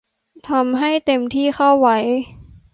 ทำให้เต็มที่เข้าไว้